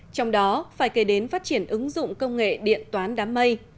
trong đó phải kể đến phát triển ứng dụng công nghệ điện toán đám mây